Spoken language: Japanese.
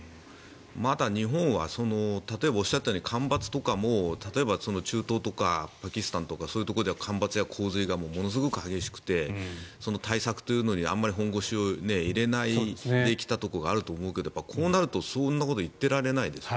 あとは日本は例えば、おっしゃったように干ばつとかも中東とかパキスタンとかそういうところでは干ばつや洪水がものすごく激しくて対策というのにあんまり本腰を入れないできたところがあると思うけどこうなるとそんなことを言ってられないですよね。